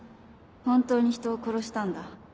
本当に人を殺したんだ